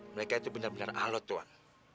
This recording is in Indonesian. mereka itu benar benar alat tuan